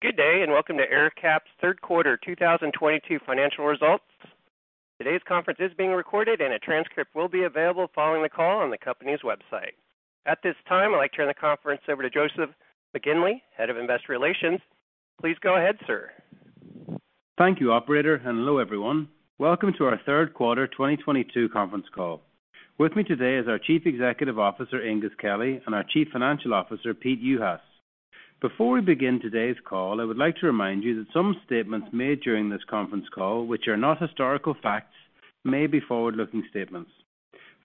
Good day, and welcome to AerCap's third quarter 2022 financial results. Today's conference is being recorded and a transcript will be available following the call on the company's website. At this time, I'd like to turn the conference over to Joseph McGinley, Head of Investor Relations. Please go ahead, sir. Thank you, operator, and hello, everyone. Welcome to our third quarter 2022 conference call. With me today is our Chief Executive Officer, Aengus Kelly, and our Chief Financial Officer, Peter Juhas. Before we begin today's call, I would like to remind you that some statements made during this conference call which are not historical facts may be forward-looking statements.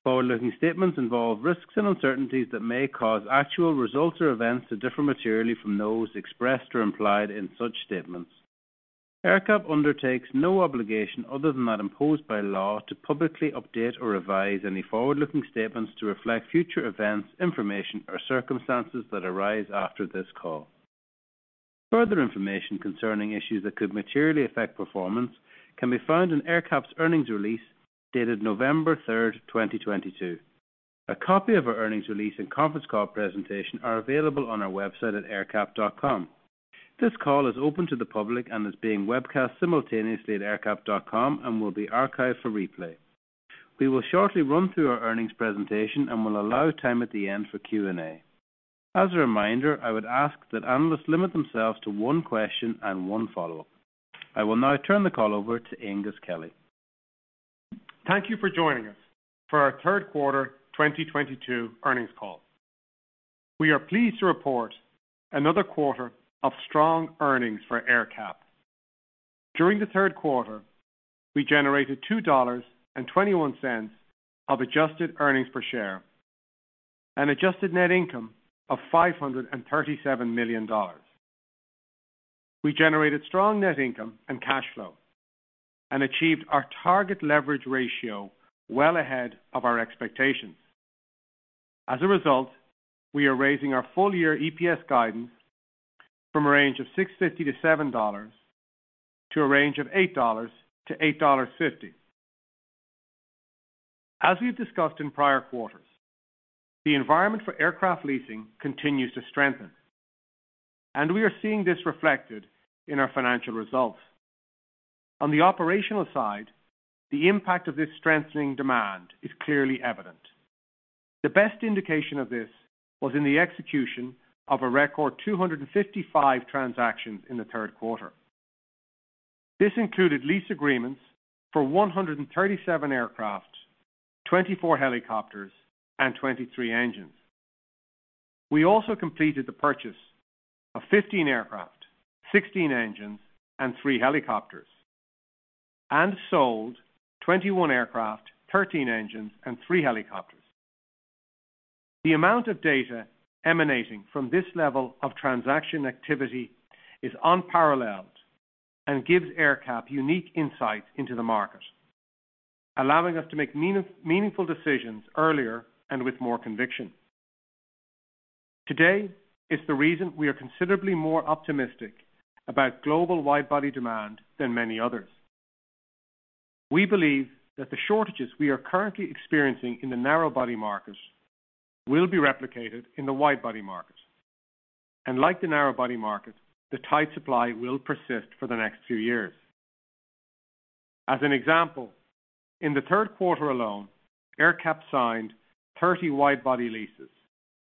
Forward-looking statements involve risks and uncertainties that may cause actual results or events to differ materially from those expressed or implied in such statements. AerCap undertakes no obligation other than that imposed by law to publicly update or revise any forward-looking statements to reflect future events, information, or circumstances that arise after this call. Further information concerning issues that could materially affect performance can be found in AerCap's earnings release dated November 3rd, 2022. A copy of our earnings release and conference call presentation are available on our website at aercap.com. This call is open to the public and is being webcast simultaneously at aercap.com and will be archived for replay. We will shortly run through our earnings presentation and will allow time at the end for Q&A. As a reminder, I would ask that analysts limit themselves to one question and one follow-up. I will now turn the call over to Aengus Kelly. Thank you for joining us for our third quarter 2022 earnings call. We are pleased to report another quarter of strong earnings for AerCap. During the third quarter, we generated $2.21 of adjusted earnings per share and adjusted net income of $537 million. We generated strong net income and cash flow and achieved our target leverage ratio well ahead of our expectations. As a result, we are raising our full year EPS guidance from a range of $6.50-$7 to a range of $8-$8.50. As we've discussed in prior quarters, the environment for aircraft leasing continues to strengthen, and we are seeing this reflected in our financial results. On the operational side, the impact of this strengthening demand is clearly evident. The best indication of this was in the execution of a record 255 transactions in the third quarter. This included lease agreements for 137 aircraft, 24 helicopters, and 23 engines. We also completed the purchase of 15 aircraft, 16 engines, and three helicopters, and sold 21 aircraft, 13 engines and three helicopters. The amount of data emanating from this level of transaction activity is unparalleled and gives AerCap unique insights into the market, allowing us to make meaningful decisions earlier and with more conviction. Today is the reason we are considerably more optimistic about global wide-body demand than many others. We believe that the shortages we are currently experiencing in the narrow-body market will be replicated in the wide-body market. Like the narrow-body market, the tight supply will persist for the next few years. As an example, in the third quarter alone, AerCap signed 30 wide-body leases,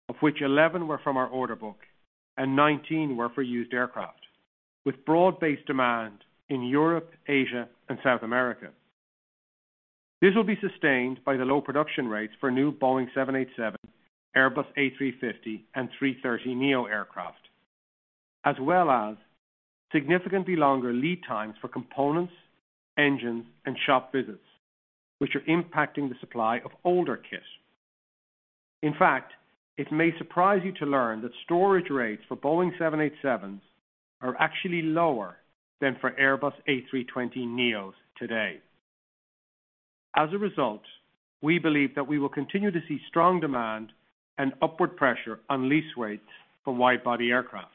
of which 11 were from our order book and 19 were for used aircraft, with broad-based demand in Europe, Asia, and South America. This will be sustained by the low production rates for new Boeing 787, Airbus A350 and A330neo aircraft, as well as significantly longer lead times for components, engines, and shop visits, which are impacting the supply of older kits. In fact, it may surprise you to learn that storage rates for Boeing 787s are actually lower than for Airbus A320neos today. As a result, we believe that we will continue to see strong demand and upward pressure on lease rates for wide-body aircraft.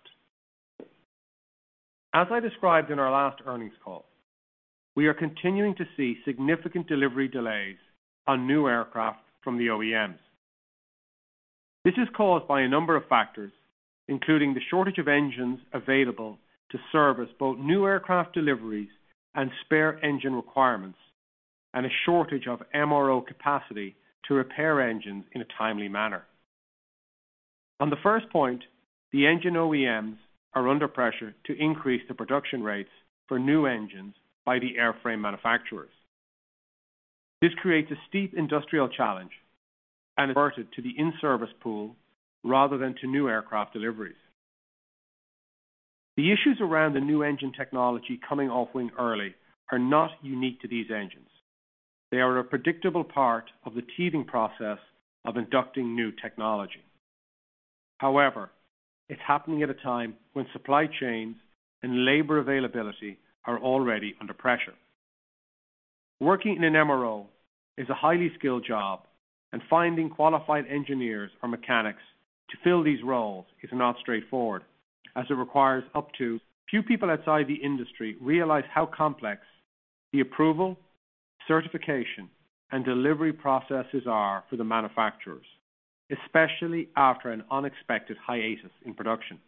As I described in our last earnings call, we are continuing to see significant delivery delays on new aircraft from the OEMs. This is caused by a number of factors, including the shortage of engines available to service both new aircraft deliveries and spare engine requirements, and a shortage of MRO capacity to repair engines in a timely manner. On the first point, the engine OEMs are under pressure to increase the production rates for new engines by the airframe manufacturers. This creates a steep industrial challenge and diverted to the in-service pool rather than to new aircraft deliveries. The issues around the new engine technology coming off wing early are not unique to these engines. They are a predictable part of the teething process of inducting new technology. However, it's happening at a time when supply chains and labor availability are already under pressure. Working in an MRO is a highly skilled job, and finding qualified engineers or mechanics to fill these roles is not straightforward, as few people outside the industry realize how complex the approval, certification and delivery processes are for the manufacturers, especially after an unexpected hiatus in production.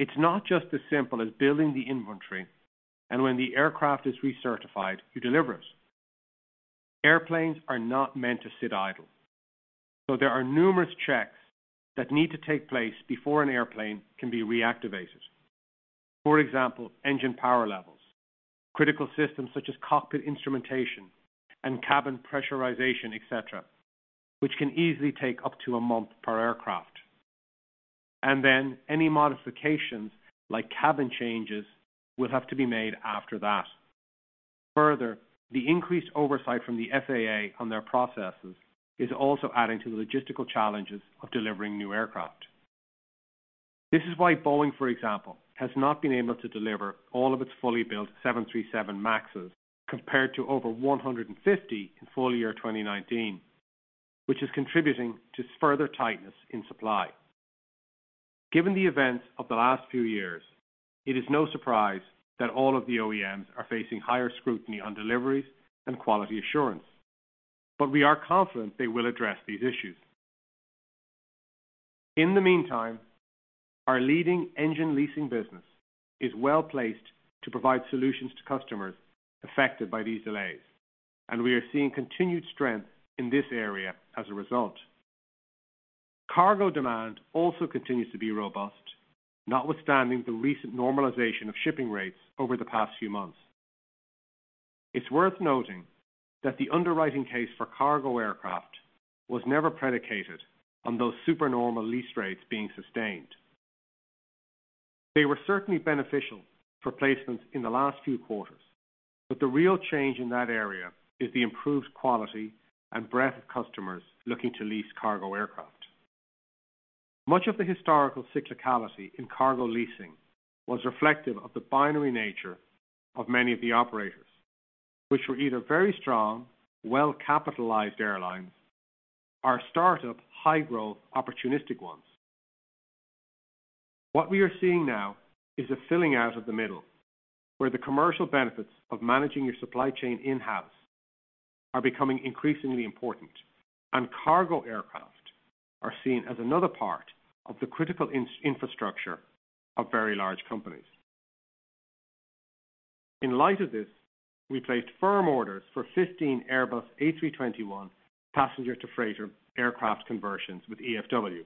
It's not just as simple as building the inventory, and when the aircraft is recertified, you deliver it. Airplanes are not meant to sit idle. There are numerous checks that need to take place before an airplane can be reactivated. For example, engine power levels, critical systems such as cockpit instrumentation and cabin pressurization, et cetera, which can easily take up to a month per aircraft. Then any modifications like cabin changes will have to be made after that. Further, the increased oversight from the FAA on their processes is also adding to the logistical challenges of delivering new aircraft. This is why Boeing, for example, has not been able to deliver all of its fully built 737 MAXes compared to over 150 in full year 2019, which is contributing to further tightness in supply. Given the events of the last few years, it is no surprise that all of the OEMs are facing higher scrutiny on deliveries and quality assurance. We are confident they will address these issues. In the meantime, our leading engine leasing business is well-placed to provide solutions to customers affected by these delays, and we are seeing continued strength in this area as a result. Cargo demand also continues to be robust, notwithstanding the recent normalization of shipping rates over the past few months. It's worth noting that the underwriting case for cargo aircraft was never predicated on those super normal lease rates being sustained. They were certainly beneficial for placements in the last few quarters, but the real change in that area is the improved quality and breadth of customers looking to lease cargo aircraft. Much of the historical cyclicality in cargo leasing was reflective of the binary nature of many of the operators, which were either very strong, well-capitalized airlines or startup high-growth opportunistic ones. What we are seeing now is a filling out of the middle, where the commercial benefits of managing your supply chain in-house are becoming increasingly important, and cargo aircraft are seen as another part of the critical infrastructure of very large companies. In light of this, we placed firm orders for 15 Airbus A321 passenger to freighter aircraft conversions with EFW,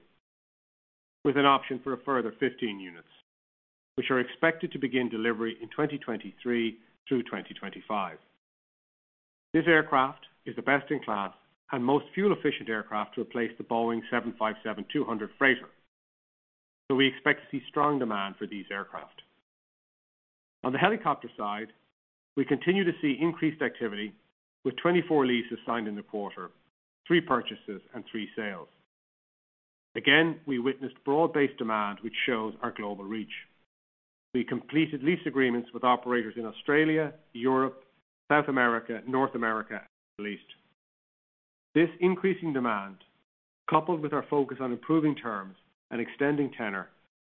with an option for a further 15 units, which are expected to begin delivery in 2023 through 2025. This aircraft is the best in class and most fuel-efficient aircraft to replace the Boeing 757-200 freighter. We expect to see strong demand for these aircraft. On the helicopter side, we continue to see increased activity with 24 leases signed in the quarter, three purchases and three sales. Again, we witnessed broad-based demand, which shows our global reach. We completed lease agreements with operators in Australia, Europe, South America, North America, and the Middle East. This increasing demand, coupled with our focus on improving terms and extending tenor,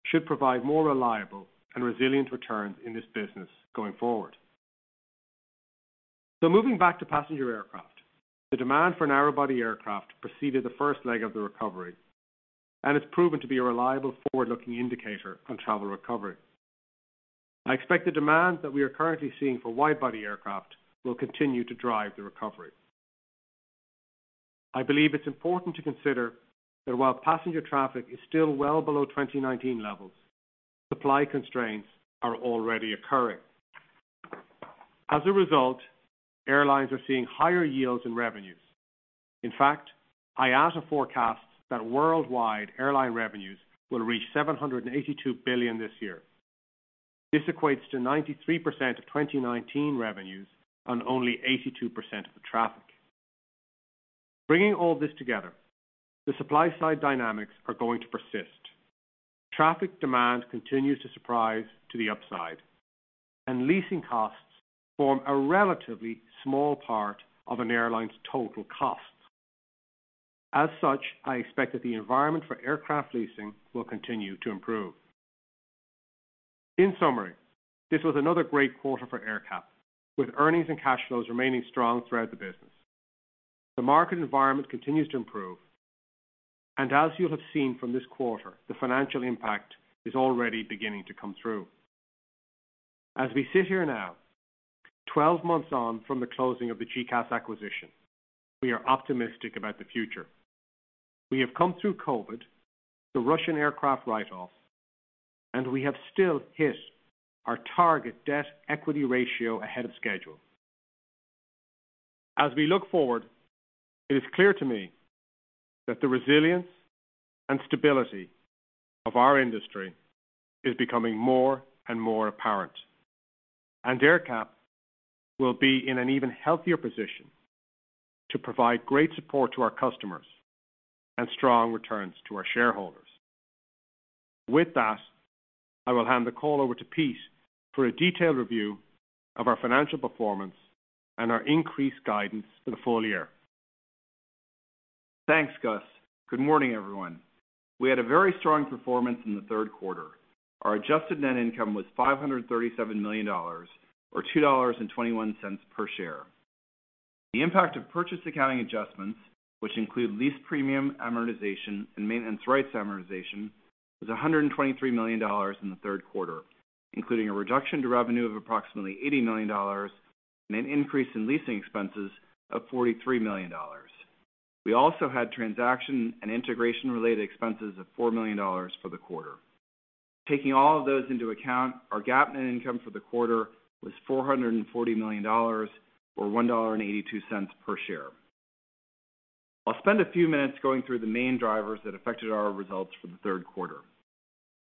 should provide more reliable and resilient returns in this business going forward. Moving back to passenger aircraft, the demand for narrow-body aircraft preceded the first leg of the recovery, and it's proven to be a reliable forward-looking indicator on travel recovery. I expect the demand that we are currently seeing for wide-body aircraft will continue to drive the recovery. I believe it's important to consider that while passenger traffic is still well below 2019 levels, supply constraints are already occurring. As a result, airlines are seeing higher yields in revenues. In fact, IATA forecasts that worldwide airline revenues will reach $782 billion this year. This equates to 93% of 2019 revenues on only 82% of the traffic. Bringing all this together, the supply side dynamics are going to persist. Traffic demand continues to surprise to the upside, and leasing costs form a relatively small part of an airline's total costs. As such, I expect that the environment for aircraft leasing will continue to improve. In summary, this was another great quarter for AerCap, with earnings and cash flows remaining strong throughout the business. The market environment continues to improve, and as you'll have seen from this quarter, the financial impact is already beginning to come through. As we sit here now, 12 months on from the closing of the GECAS acquisition, we are optimistic about the future. We have come through COVID, the Russian aircraft write-off, and we have still hit our target debt equity ratio ahead of schedule. As we look forward, it is clear to me that the resilience and stability of our industry is becoming more and more apparent, and AerCap will be in an even healthier position to provide great support to our customers and strong returns to our shareholders. With that, I will hand the call over to Peter for a detailed review of our financial performance and our increased guidance for the full year. Thanks, Aengus. Good morning, everyone. We had a very strong performance in the third quarter. Our adjusted net income was $537 million, or $2.21 per share. The impact of purchase accounting adjustments, which include lease premium amortization and maintenance rights amortization, was $123 million in the third quarter, including a reduction to revenue of approximately $80 million and an increase in leasing expenses of $43 million. We also had transaction and integration-related expenses of $4 million for the quarter. Taking all of those into account, our GAAP net income for the quarter was $440 million, or $1.82 per share. I'll spend a few minutes going through the main drivers that affected our results for the third quarter.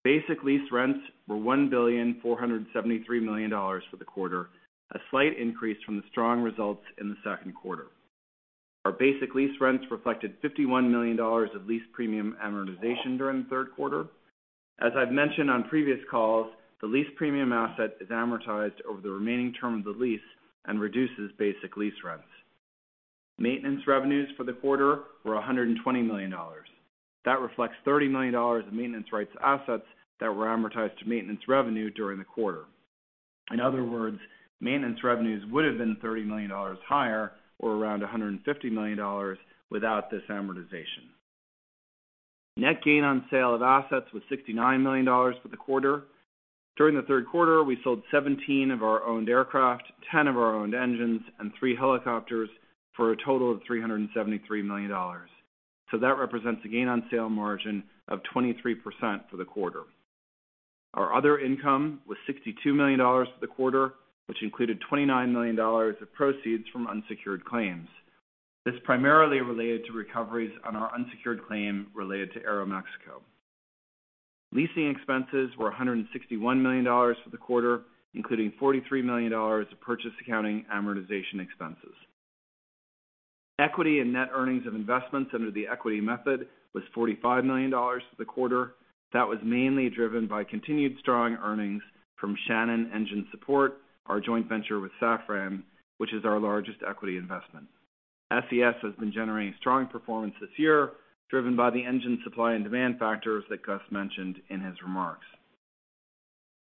Basic lease rents were $1.473 billion for the quarter, a slight increase from the strong results in the second quarter. Our basic lease rents reflected $51 million of lease premium amortization during the third quarter. As I've mentioned on previous calls, the lease premium asset is amortized over the remaining term of the lease and reduces basic lease rents. Maintenance revenues for the quarter were $120 million. That reflects $30 million in maintenance rights assets that were amortized to maintenance revenue during the quarter. In other words, maintenance revenues would have been $30 million higher, or around $150 million without this amortization. Net gain on sale of assets was $69 million for the quarter. During the third quarter, we sold 17 of our owned aircraft, 10 of our owned engines, and 3 helicopters for a total of $373 million. That represents a gain on sale margin of 23% for the quarter. Our other income was $62 million for the quarter, which included $29 million of proceeds from unsecured claims. This primarily related to recoveries on our unsecured claim related to Aeroméxico. Leasing expenses were $161 million for the quarter, including $43 million of purchase accounting amortization expenses. Equity and net earnings of investments under the equity method was $45 million for the quarter. That was mainly driven by continued strong earnings from Shannon Engine Support, our joint venture with Safran, which is our largest equity investment. SES has been generating strong performance this year, driven by the engine supply and demand factors that Aengus mentioned in his remarks.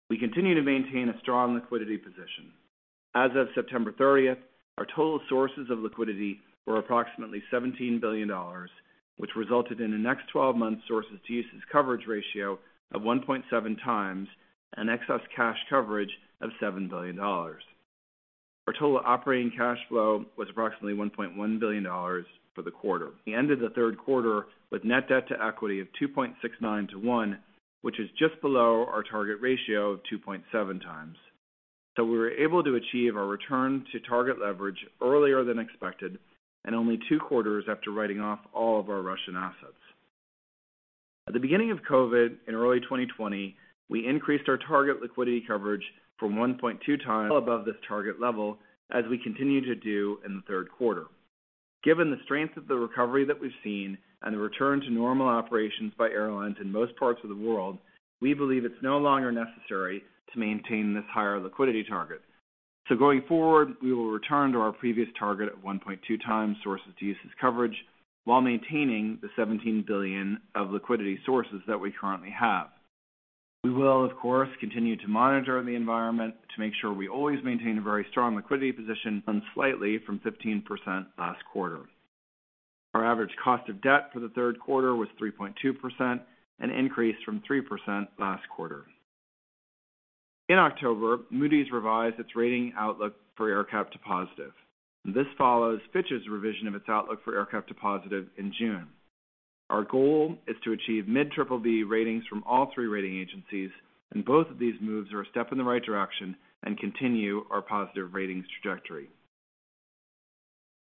We continue to maintain a strong liquidity position. As of September 30th, our total sources of liquidity were approximately $17 billion, which resulted in the next 12 months sources to uses coverage ratio of 1.7x and excess cash coverage of $7 billion. Our total operating cash flow was approximately $1.1 billion for the quarter. We ended the third quarter with net debt to equity of 2.69 to 1, which is just below our target ratio of 2.7x. We were able to achieve our return to target leverage earlier than expected and only two quarters after writing off all of our Russian assets. At the beginning of COVID in early 2020, we increased our target liquidity coverage from 1.2x above this target level, as we continue to do in the third quarter. Given the strength of the recovery that we've seen and the return to normal operations by airlines in most parts of the world, we believe it's no longer necessary to maintain this higher liquidity target. Going forward, we will return to our previous target of 1.2x sources to uses coverage while maintaining the $17 billion of liquidity sources that we currently have. We will, of course, continue to monitor the environment to make sure we always maintain a very strong liquidity position slightly from 15% last quarter. Our average cost of debt for the third quarter was 3.2%, an increase from 3% last quarter. In October, Moody's revised its rating outlook for AerCap to positive. This follows Fitch's revision of its outlook for AerCap to positive in June. Our goal is to achieve mid-BBB ratings from all three rating agencies, and both of these moves are a step in the right direction and continue our positive ratings trajectory.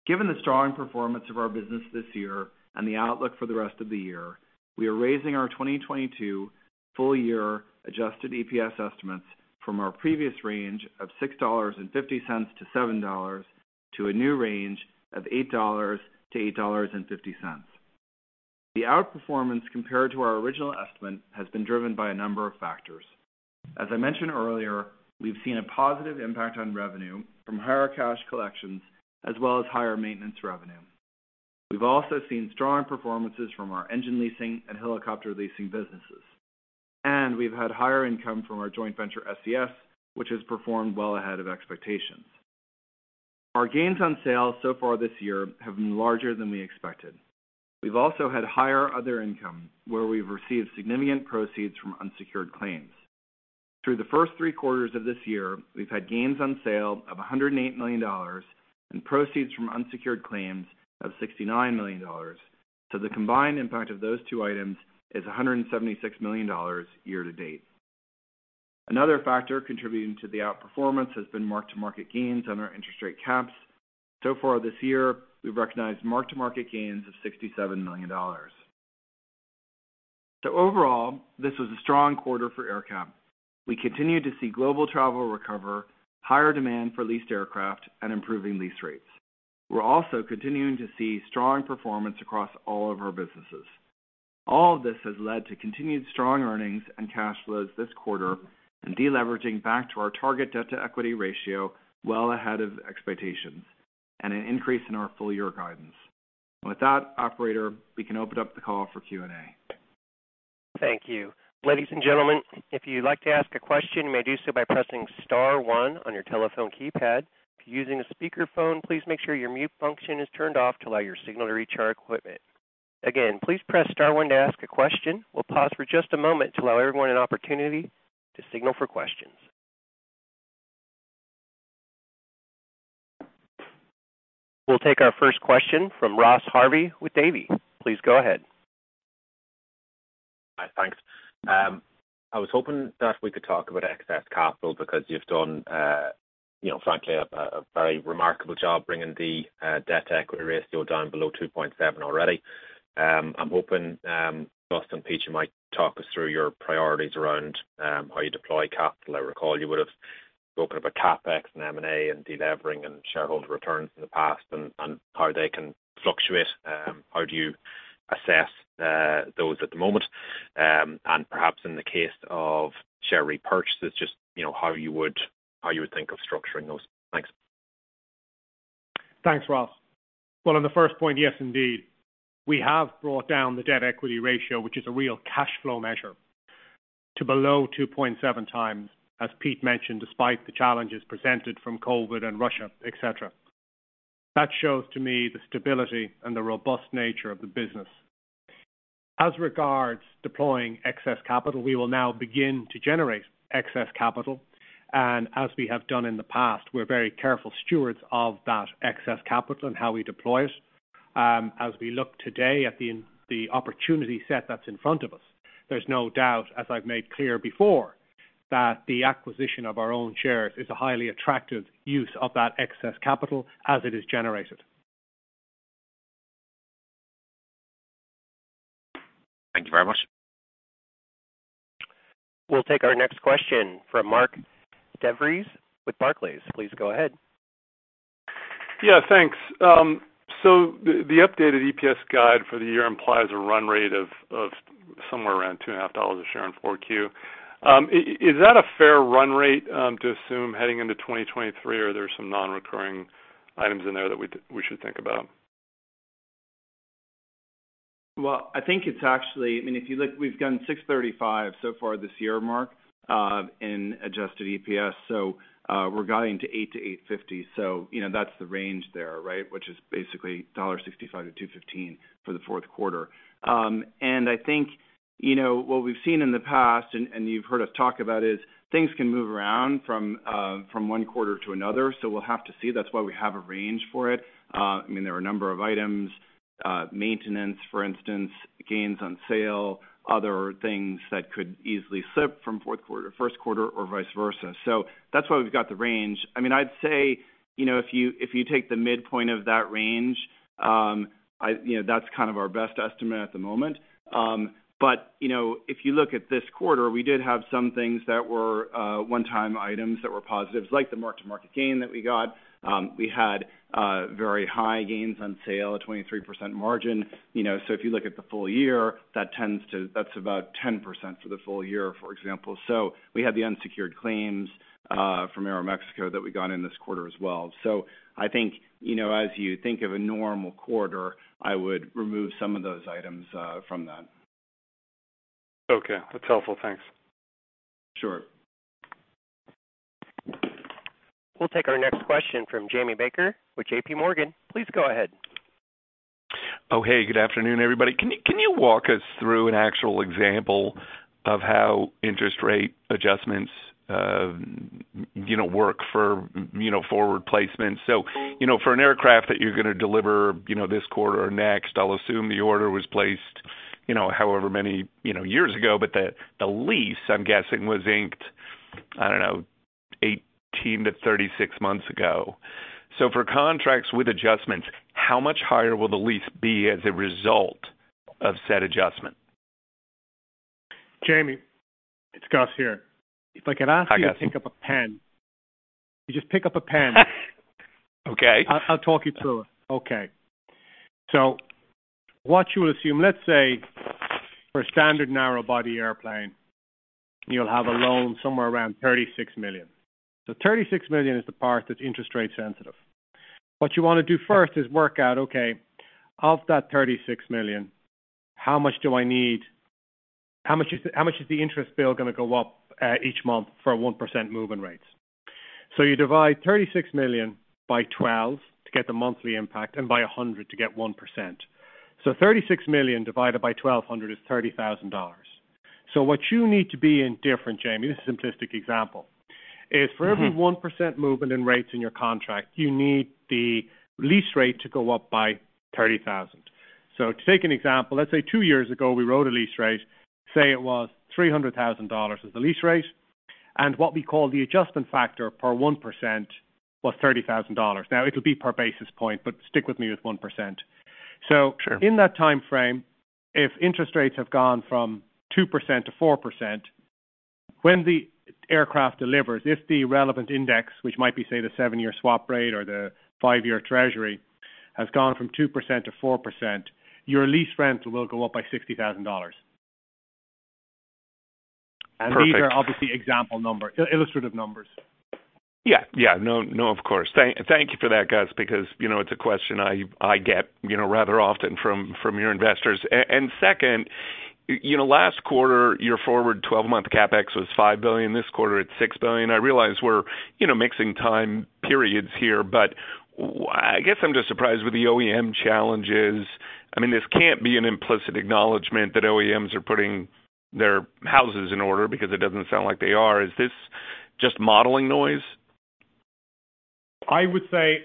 Given the strong performance of our business this year and the outlook for the rest of the year, we are raising our 2022 full year adjusted EPS estimates from our previous range of $6.50-$7 to a new range of $8-$8.50. The outperformance compared to our original estimate has been driven by a number of factors. As I mentioned earlier, we've seen a positive impact on revenue from higher cash collections as well as higher maintenance revenue. We've also seen strong performances from our engine leasing and helicopter leasing businesses, and we've had higher income from our joint venture, SES, which has performed well ahead of expectations. Our gains on sales so far this year have been larger than we expected. We've also had higher other income, where we've received significant proceeds from unsecured claims. Through the first three quarters of this year, we've had gains on sale of $108 million and proceeds from unsecured claims of $69 million. The combined impact of those two items is $176 million year to date. Another factor contributing to the outperformance has been mark-to-market gains on our interest rate caps. So far this year, we've recognized market-to-market gains of $67 million. Overall, this was a strong quarter for AerCap. We continued to see global travel recover, higher demand for leased aircraft, and improving lease rates. We're also continuing to see strong performance across all of our businesses. All this has led to continued strong earnings and cash flows this quarter and deleveraging back to our target debt-to-equity ratio well ahead of expectations and an increase in our full year guidance. With that, operator, we can open up the call for Q&A. Thank you. Ladies and gentlemen, if you'd like to ask a question, you may do so by pressing star one on your telephone keypad. If you're using a speakerphone, please make sure your mute function is turned off to allow your signal to reach our equipment. Again, please press star one to ask a question. We'll pause for just a moment to allow everyone an opportunity to signal for questions. We'll take our first question from Ross Harvey with Davy. Please go ahead. Hi. Thanks. I was hoping that we could talk about excess capital because you've done, you know, frankly, a very remarkable job bringing the debt-to-equity ratio down below 2.7x already. I'm hoping, Aengus and Peter, you might talk us through your priorities around how you deploy capital. I recall you would have spoken about CapEx and M&A and delevering and shareholder returns in the past and how they can fluctuate. How do you assess those at the moment? And perhaps in the case of share repurchases, just, you know, how you would think of structuring those. Thanks. Thanks, Ross. Well, on the first point, yes, indeed, we have brought down the debt equity ratio, which is a real cash flow measure, to below 2.7x, as Peter mentioned, despite the challenges presented from COVID and Russia, et cetera. That shows to me the stability and the robust nature of the business. As regards deploying excess capital, we will now begin to generate excess capital. As we have done in the past, we're very careful stewards of that excess capital and how we deploy it. As we look today at the opportunity set that's in front of us, there's no doubt, as I've made clear before, that the acquisition of our own shares is a highly attractive use of that excess capital as it is generated. Thank you very much. We'll take our next question from Mark DeVries with Barclays. Please go ahead. Yeah, thanks. The updated EPS guide for the year implies a run rate of somewhere around $2.50 a share in 4Q. Is that a fair run rate to assume heading into 2023, or are there some non-recurring items in there that we should think about? Well, I think it's actually. I mean, if you look, we've done $6.35 so far this year, Mark, in adjusted EPS. We're guiding to $8.00-$8.50. You know, that's the range there, right? Which is basically $1.65-$2.15 for the fourth quarter. I think, you know, what we've seen in the past and you've heard us talk about is things can move around from one quarter to another. We'll have to see. That's why we have a range for it. I mean, there are a number of items, maintenance, for instance, gains on sale, other things that could easily slip from fourth quarter to first quarter or vice versa. That's why we've got the range. I mean, I'd say, you know, if you, if you take the midpoint of that range, that's kind of our best estimate at the moment. You know, if you look at this quarter, we did have some things that were one-time items that were positives, like the market-to-market gain that we got. We had very high gains on sale at 23% margin. You know, so if you look at the full year, that's about 10% for the full year, for example. We had the unsecured claims from Aeroméxico that we got in this quarter as well. I think, you know, as you think of a normal quarter, I would remove some of those items from that. Okay. That's helpful. Thanks. Sure. We'll take our next question from Jamie Baker with J.P. Morgan. Please go ahead. Oh, hey, good afternoon, everybody. Can you walk us through an actual example of how interest rate adjustments work for forward placements? You know, for an aircraft that you're gonna deliver this quarter or next, I'll assume the order was placed, you know, however many years ago, but the lease, I'm guessing, was inked, I don't know, 18-36 months ago. For contracts with adjustments, how much higher will the lease be as a result of said adjustment? Jamie, it's Aengus here. If I could ask you to pick up a pen. Just pick up a pen. Okay. I'll talk you through it. Okay. What you will assume, let's say for a standard narrow-body airplane, you'll have a loan somewhere around $36 million. $36 million is the part that's interest rate sensitive. What you want to do first is work out, okay, of that $36 million, how much do I need? How much is the interest bill gonna go up each month for a 1% move in rates? You divide $36 million by 12 to get the monthly impact and by 100 to get 1%. $36 million divided by 1,200 is $30,000. What you need to be indifferent, Jamie, this is a simplistic example, is for every 1% movement in rates in your contract, you need the lease rate to go up by $30,000. To take an example, let's say two years ago, we wrote a lease rate, say it was $300,000 is the lease rate, and what we call the adjustment factor per 1% was $30,000. Now it'll be per basis point, but stick with me with 1%. Sure. When the aircraft delivers, if the relevant index, which might be, say, the seven-year swap rate or the five-year Treasury, has gone from 2%-4%, your lease rental will go up by $60,000. Perfect. These are obviously example illustrative numbers. Yeah. No, of course. Thank you for that, Aengus, because you know it's a question I get you know rather often from your investors. Second, you know, last quarter, your forward 12-month CapEx was $5 billion. This quarter it's $6 billion. I realize we're you know mixing time periods here, but I guess I'm just surprised with the OEM challenges. I mean, this can't be an implicit acknowledgement that OEMs are putting their houses in order because it doesn't sound like they are. Is this just modeling noise? I would say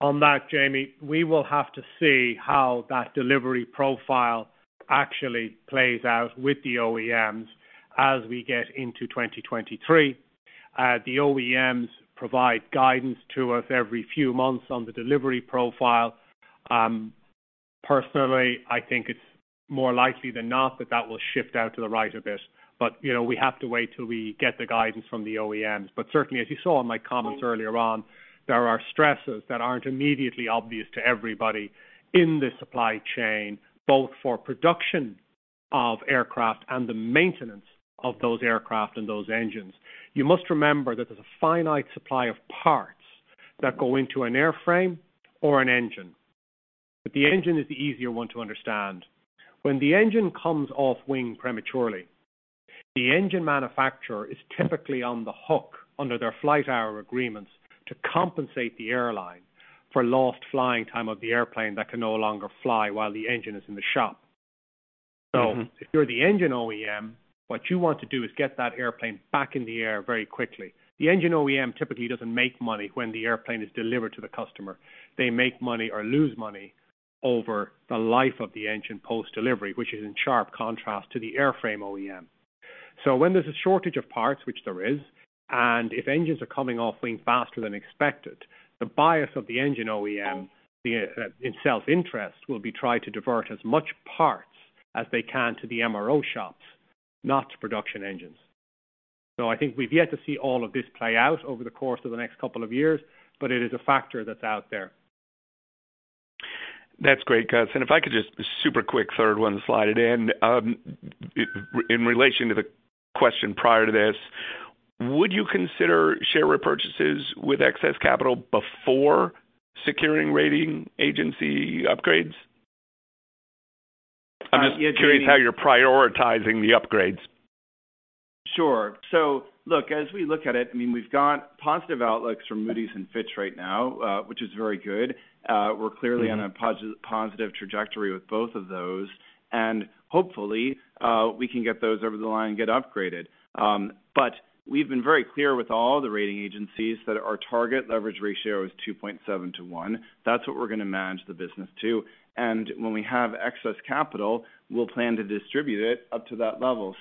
on that, Jamie, we will have to see how that delivery profile actually plays out with the OEMs as we get into 2023. The OEMs provide guidance to us every few months on the delivery profile. Personally, I think it's more likely than not that that will shift out to the right a bit, but, you know, we have to wait till we get the guidance from the OEMs. Certainly, as you saw in my comments earlier on, there are stresses that aren't immediately obvious to everybody in the supply chain, both for production of aircraft and the maintenance of those aircraft and those engines. You must remember that there's a finite supply of parts that go into an airframe or an engine, but the engine is the easier one to understand. When the engine comes off wing prematurely, the engine manufacturer is typically on the hook under their flight hour agreements to compensate the airline for lost flying time of the airplane that can no longer fly while the engine is in the shop. Mm-hmm. If you're the engine OEM, what you want to do is get that airplane back in the air very quickly. The engine OEM typically doesn't make money when the airplane is delivered to the customer. They make money or lose money over the life of the engine post-delivery, which is in sharp contrast to the airframe OEM. When there's a shortage of parts, which there is, and if engines are coming off being faster than expected, the bias of the engine OEM via, in self-interest will be try to divert as much parts as they can to the MRO shops, not to production engines. I think we've yet to see all of this play out over the course of the next couple of years, but it is a factor that's out there. That's great, Aengus. If I could just super quick third one, slide it in. In relation to the question prior to this, would you consider share repurchases with excess capital before securing rating agency upgrades? I'm just curious how you're prioritizing the upgrades. Sure. Look, as we look at it, I mean, we've got positive outlooks from Moody's and Fitch right now, which is very good. We're clearly on a positive trajectory with both of those. Hopefully, we can get those over the line, get upgraded. But we've been very clear with all the rating agencies that our target leverage ratio is 2.7x to 1x. That's what we're gonna manage the business to. When we have excess capital, we'll plan to distribute it up to that level.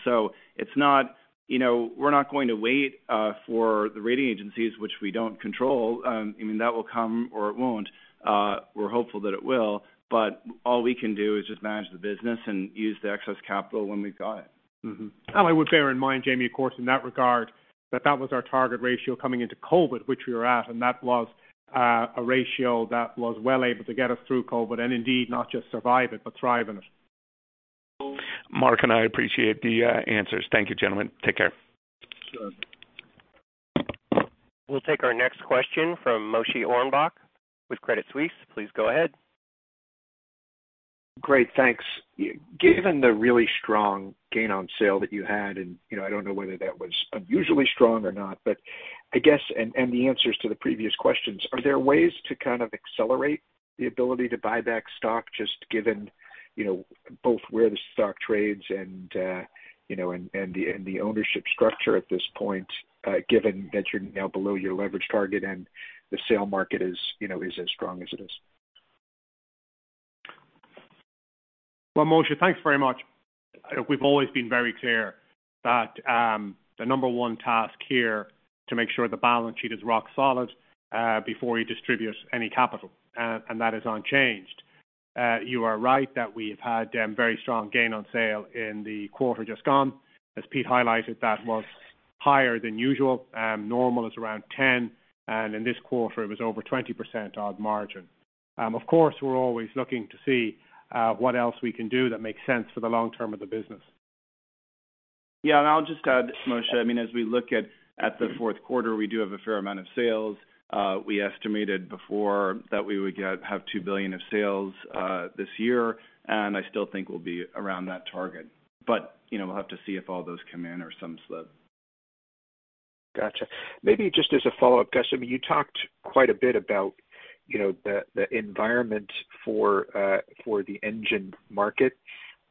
It's not, you know, we're not going to wait for the rating agencies, which we don't control. I mean, that will come or it won't. We're hopeful that it will, but all we can do is just manage the business and use the excess capital when we've got it. Mm-hmm. I would bear in mind, Jamie, of course, in that regard, that that was our target ratio coming into COVID, which we were at, and that was a ratio that was well able to get us through COVID, and indeed not just survive it, but thrive in it. Mark and I appreciate the answers. Thank you, gentlemen. Take care. Sure. We'll take our next question from Moshe Orenbuch with Credit Suisse. Please go ahead. Great. Thanks. Given the really strong gain on sale that you had, and, you know, I don't know whether that was unusually strong or not, but I guess, and the answers to the previous questions, are there ways to kind of accelerate the ability to buy back stock just given, you know, both where the stock trades and, you know, and the ownership structure at this point, given that you're now below your leverage target and the sale market is, you know, as strong as it is? Well, Moshe, thanks very much. We've always been very clear that the number one task here, to make sure the balance sheet is rock solid, before we distribute any capital, and that is unchanged. You are right that we've had very strong gain on sale in the quarter just gone. As Peter highlighted, that was higher than usual. Normal is around 10, and in this quarter, it was over 20% odd margin. Of course, we're always looking to see what else we can do that makes sense for the long term of the business. I'll just add, Moshe, I mean, as we look at the fourth quarter, we do have a fair amount of sales. We estimated before that we would have $2 billion of sales this year, and I still think we'll be around that target. You know, we'll have to see if all those come in or some slip. Gotcha. Maybe just as a follow-up, Aengus, I mean, you talked quite a bit about, you know, the environment for the engine market.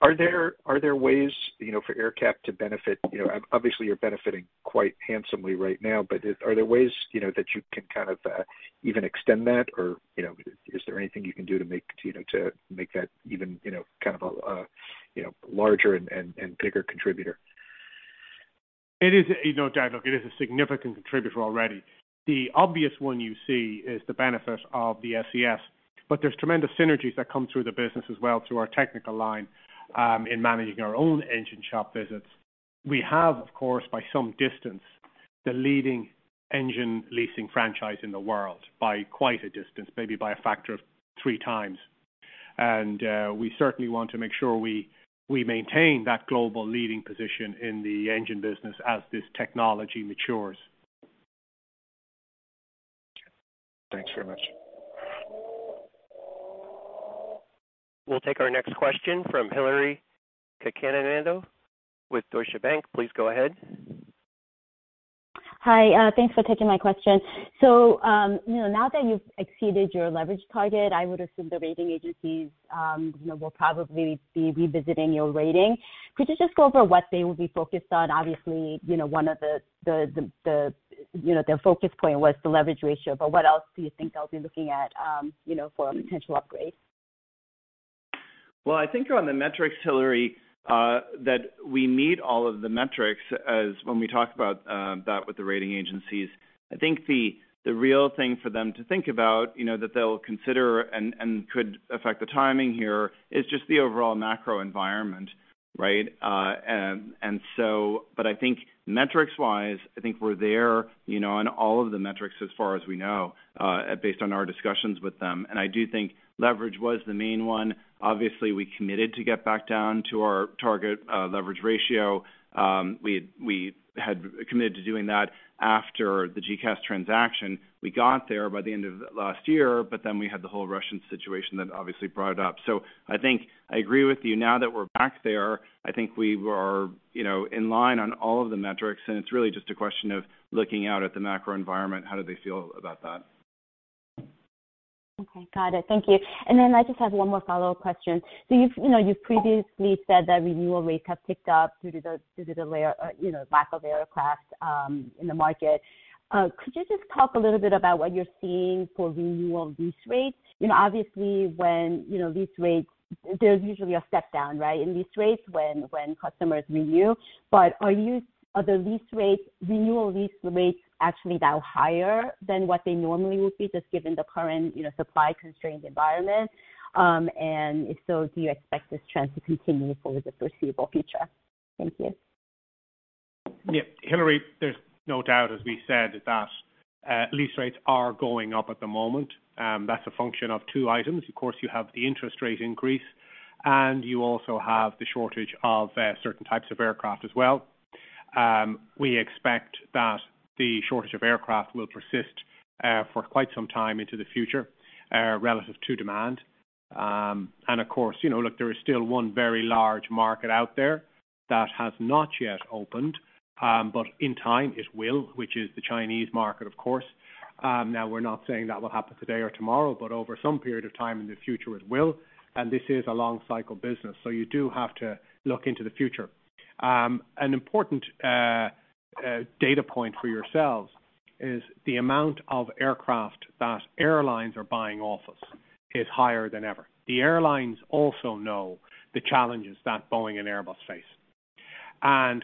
Are there ways, you know, for AerCap to benefit? You know, obviously, you're benefiting quite handsomely right now, but are there ways, you know, that you can kind of even extend that? Or, you know, is there anything you can do to make, you know, to make that even, you know, kind of a larger and bigger contributor? It is, you know, look, it is a significant contributor already. The obvious one you see is the benefit of the SES. But there's tremendous synergies that come through the business as well through our technical line, in managing our own engine shop visits. We have, of course, by some distance, the leading engine leasing franchise in the world by quite a distance, maybe by a factor of 3x. We certainly want to make sure we maintain that global leading position in the engine business as this technology matures. Thanks very much. We'll take our next question from Hillary Cacanando with Deutsche Bank. Please go ahead. Hi. Thanks for taking my question. You know, now that you've exceeded your leverage target, I would assume the rating agencies, you know, will probably be revisiting your rating. Could you just go over what they will be focused on? Obviously, you know, one of the focal points was the leverage ratio, but what else do you think they'll be looking at, you know, for a potential upgrade? Well, I think on the metrics, Hillary, that we meet all of the metrics as when we talk about that with the rating agencies. I think the real thing for them to think about, you know, that they'll consider and could affect the timing here is just the overall macro environment, right? I think metrics-wise, I think we're there, you know, on all of the metrics as far as we know based on our discussions with them. I do think leverage was the main one. Obviously, we committed to get back down to our target leverage ratio. We had committed to doing that after the GECAS transaction. We got there by the end of last year, but then we had the whole Russian situation that obviously brought it up. I think I agree with you. Now that we're back there, I think we are, you know, in line on all of the metrics, and it's really just a question of looking out at the macro environment. How do they feel about that? Okay. Got it. Thank you. I just have one more follow-up question. You know, you've previously said that renewal rates have picked up due to the lack of aircraft in the market. Could you just talk a little bit about what you're seeing for renewal lease rates? You know, obviously, when, you know, lease rates, there's usually a step down, right, in lease rates when customers renew. But are the renewal lease rates actually now higher than what they normally would be, just given the current, you know, supply-constrained environment? If so, do you expect this trend to continue for the foreseeable future? Thank you. Yeah. Hillary, there's no doubt, as we said, that lease rates are going up at the moment. That's a function of two items. Of course, you have the interest rate increase, and you also have the shortage of certain types of aircraft as well. We expect that the shortage of aircraft will persist for quite some time into the future relative to demand. Of course, you know, look, there is still one very large market out there that has not yet opened, but in time it will, which is the Chinese market, of course. Now we're not saying that will happen today or tomorrow, but over some period of time in the future, it will. This is a long cycle business, so you do have to look into the future. An important data point for yourselves is the amount of aircraft that airlines are buying off-lease is higher than ever. The airlines also know the challenges that Boeing and Airbus face.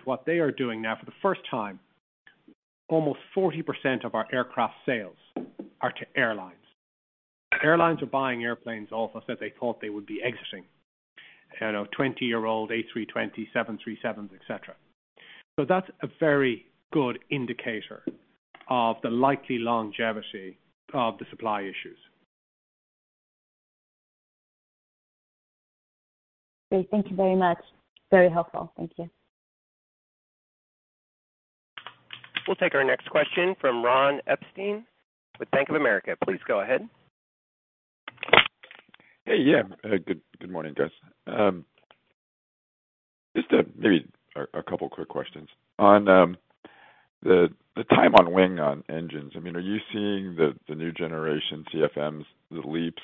What they are doing now, for the first time, almost 40% of our aircraft sales are to airlines. Airlines are buying airplanes off us that they thought they would be exiting. You know, 20-year-old A320, 737s, etc. That's a very good indicator of the likely longevity of the supply issues. Okay. Thank you very much. Very helpful. Thank you. We'll take our next question from Ronald Epstein with Bank of America. Please go ahead. Hey. Yeah. Good morning, guys. Just maybe a couple quick questions. On the time on wing on engines, I mean, are you seeing the new generation CFMs, the LEAPs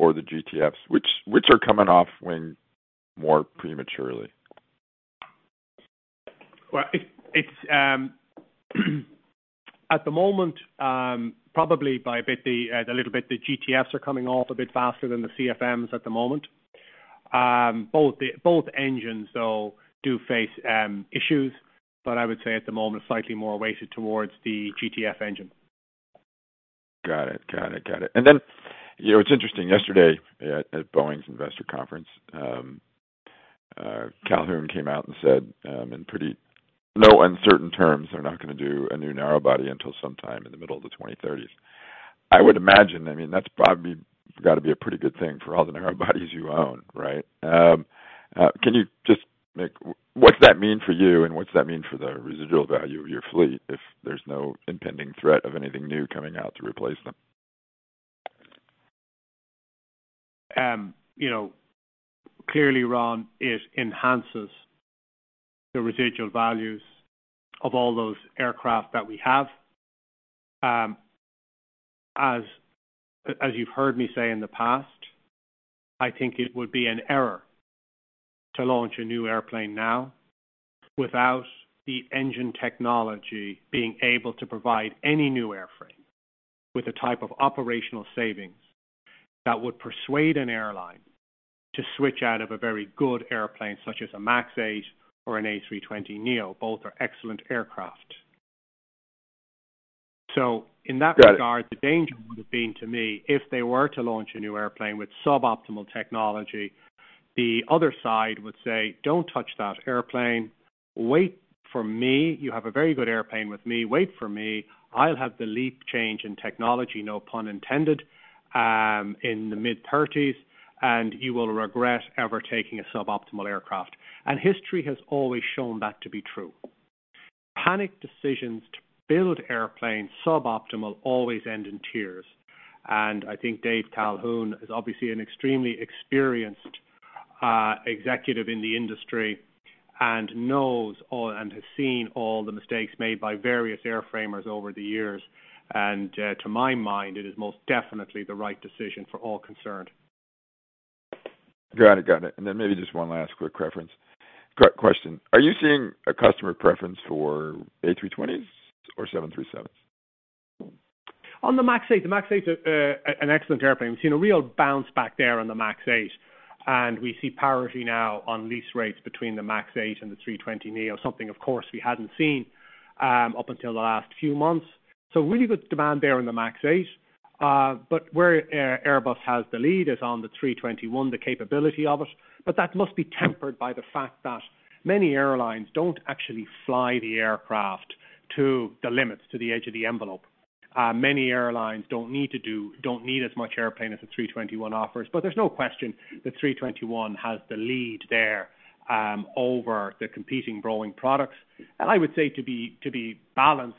or the GTFs, which are coming off wing more prematurely? Well, it's at the moment probably by a little bit, the GTFs are coming off a bit faster than the CFMs at the moment. Both engines though do face issues, but I would say at the moment, slightly more weighted towards the GTF engine. Got it. You know, it's interesting. Yesterday at Boeing's investor conference, Calhoun came out and said in no uncertain terms, they're not gonna do a new narrow-body until sometime in the middle of the 2030s. I would imagine, I mean, that's probably gotta be a pretty good thing for all the narrow-bodies you own, right? What's that mean for you and what's that mean for the residual value of your fleet if there's no impending threat of anything new coming out to replace them? You know, clearly, Ronald, it enhances the residual values of all those aircraft that we have. As you've heard me say in the past, I think it would be an error to launch a new airplane now without the engine technology being able to provide any new airframe with the type of operational savings that would persuade an airline to switch out of a very good airplane, such as a MAX 8 or an A320neo. Both are excellent aircraft. In that regard, the danger would have been to me, if they were to launch a new airplane with suboptimal technology, the other side would say, "Don't touch that airplane. Wait for me. You have a very good airplane with me. Wait for me. I'll have the leap change in technology," no pun intended, in the mid-30s, "and you will regret ever taking a suboptimal aircraft." History has always shown that to be true. Panic decisions to build suboptimal airplanes always end in tears. I think Dave Calhoun is obviously an extremely experienced executive in the industry and knows it all and has seen all the mistakes made by various airframers over the years. To my mind, it is most definitely the right decision for all concerned. Got it. Maybe just one last quick question. Question. Are you seeing a customer preference for A320s or 737s? On the MAX 8, the MAX 8's an excellent airplane. We've seen a real bounce back there on the MAX 8, and we see parity now on lease rates between the MAX 8 and the A320neo. Something, of course, we hadn't seen up until the last few months. Really good demand there on the MAX 8. Where Airbus has the lead is on the A321, the capability of it. That must be tempered by the fact that many airlines don't actually fly the aircraft to the limits, to the edge of the envelope. Many airlines don't need as much airplane as the A321 offers. There's no question that A321 has the lead there over the competing growing products. I would say to be balanced,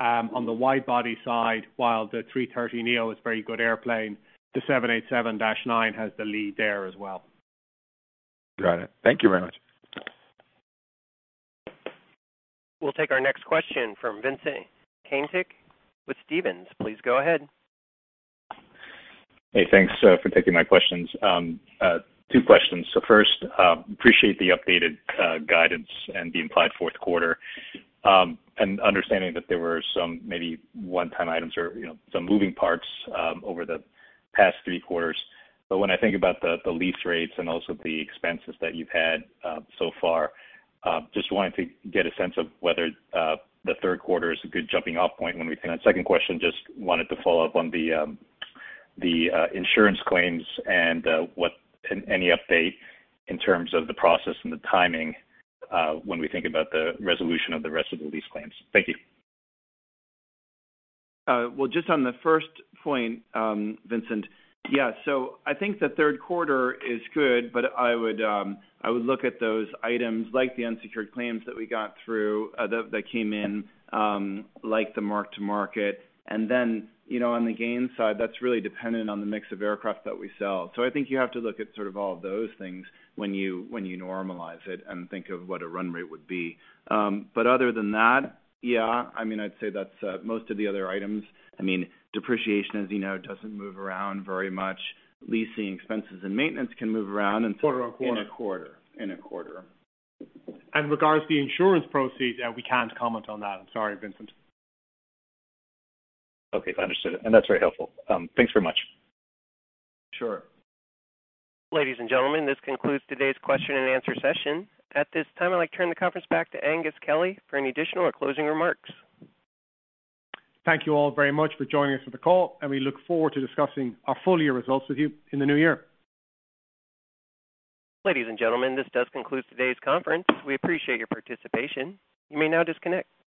on the wide-body side, while the A330neo is a very good airplane, the 787-9 has the lead there as well. Got it. Thank you very much. We'll take our next question from Vincent Caintic with Stephens. Please go ahead. Hey, thanks for taking my questions. Two questions. First, appreciate the updated guidance and the implied fourth quarter, and understanding that there were some maybe one-time items or, you know, some moving parts over the past three quarters. When I think about the lease rates and also the expenses that you've had so far, just wanting to get a sense of whether the third quarter is a good jumping off point when we can. Second question, just wanted to follow up on the insurance claims and any update in terms of the process and the timing when we think about the resolution of the rest of the lease claims. Thank you. Well, just on the first point, Vincent. Yeah. I think the third quarter is good, but I would look at those items like the unsecured claims that we got through, that came in, like the market-to-market. You know, on the gain side, that's really dependent on the mix of aircraft that we sell. I think you have to look at sort of all of those things when you normalize it and think of what a run rate would be. Other than that, yeah, I mean, I'd say that's most of the other items. I mean, depreciation, as you know, doesn't move around very much. Leasing expenses and maintenance can move around and Quarter-over-quarter. In a quarter. Regarding the insurance proceeds, yeah, we can't comment on that. I'm sorry, Vincent. Okay. I understood it, and that's very helpful. Thanks very much. Sure. Ladies and gentlemen, this concludes today's question and answer session. At this time, I'd like to turn the conference back to Aengus Kelly for any additional or closing remarks. Thank you all very much for joining us on the call, and we look forward to discussing our full year results with you in the new year. Ladies and gentlemen, this does conclude today's conference. We appreciate your participation. You may now disconnect.